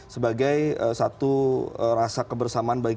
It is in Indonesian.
sebagai satu rasa kebersamaan bagi kita